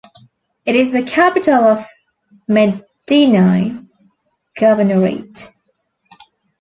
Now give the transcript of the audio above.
It is the capital of Medenine Governorate.